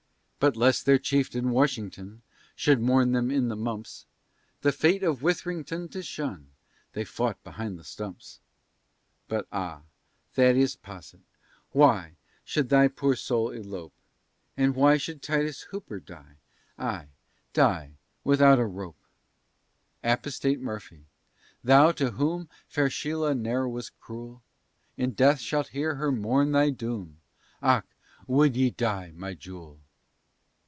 But lest their chieftain, Washington, Should mourn them in the mumps, The fate of Withrington to shun, They fought behind the stumps. But ah, Thaddeus Posset, why Should thy poor soul elope? And why should Titus Hooper die, Ay, die without a rope? Apostate Murphy, thou to whom Fair Shela ne'er was cruel, In death shalt hear her mourn thy doom, "Och! would ye die, my jewel?"